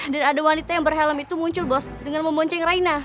dan ada wanita yang berhalem itu muncul bos dengan memoncing raina